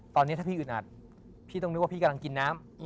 ตอนนี้ถ้าพี่อึดอัดพี่ต้องนึกว่าพี่กำลังกินน้ำ